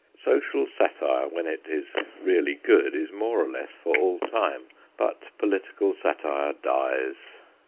Social satire, when it is really good, is more or less for all time, but political satire dies.